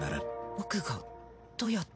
僕がどうやって？